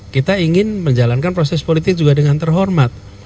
kita ingin menjalankan proses politik juga dengan terhormat